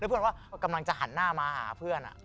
เพื่อนว่ากำลังจะหันหน้ามาหาเพื่อน